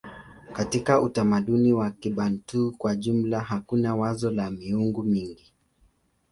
Katika utamaduni wa Kibantu kwa jumla hakuna wazo la miungu mingi.